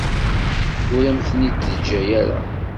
Ur am-ten-id-teǧǧa ara.